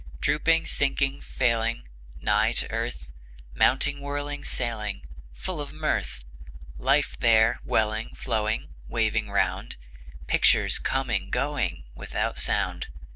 Drooping, sinking, failing, Nigh to earth, Mounting, whirling, sailing, Full of mirth; Life there, welling, flowing, Waving round; Pictures coming, going, Without sound.